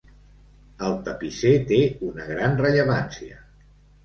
El tapisser té una gran rellevància.